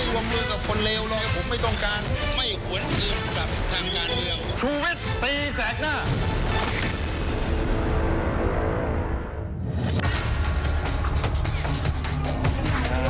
ไม่ร่วมมือกับคนเลวเลยผมไม่ต้องการ